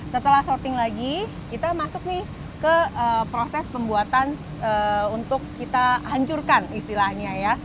setelah shorting lagi kita masuk nih ke proses pembuatan untuk kita hancurkan istilahnya ya